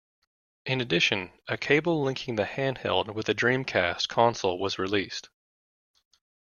In addition, a cable linking the handheld with a Dreamcast console was released.